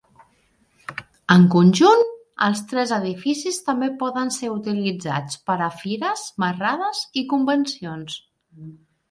En conjunt, els tres edificis també poden ser utilitzats per a fires, marrades i convencions.